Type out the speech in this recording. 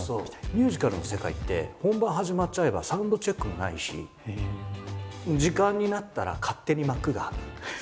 ミュージカルの世界って本番始まっちゃえばサウンドチェックもないし時間になったら勝手に幕が開く。